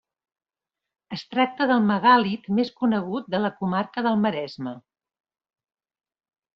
Es tracta del megàlit més conegut de la comarca del Maresme.